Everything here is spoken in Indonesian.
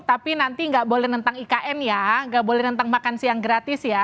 tapi nanti nggak boleh nentang ikn ya nggak boleh nentang makan siang gratis ya